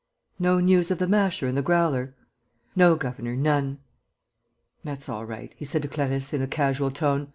"No news of the Masher and the Growler?" "No, governor, none." "That's all right," he said to Clarisse, in a casual tone.